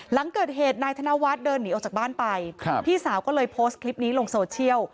หลังเกิดเหตุนายธนวัฒน์เดินหนีออกจากบ้านไปพี่สาวก็เลยโพสต์คลิปนี้ลงโซเชียล